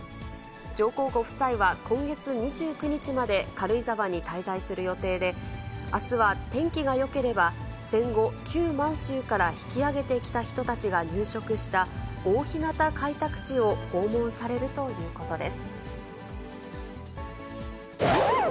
上皇ご夫妻は今月２９日まで、軽井沢に滞在する予定で、あすは天気がよければ、戦後、旧満州から引き揚げてきた人たちが入植した大日向開拓地を訪問されるということです。